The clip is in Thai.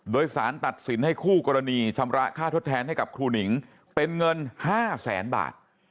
โดยสารตัดสินให้คู่กรณีชำระค่าทดแทนให้กับครูหนิงเป็นเงิน๕แสนบาท